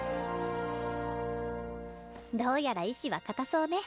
どうやら意志は固そうね。